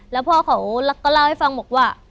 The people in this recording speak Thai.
แล้วพ่อเขาก็เล่าให้ฟังบอกว่า